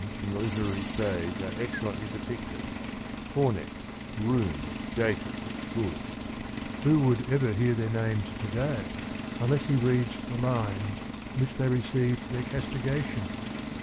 s from the literary stage are excellently depicted : Horneck, Roome, Jacob, Goode — who would ever hear their names to day unless he reads the lines in which they received their castiga tion?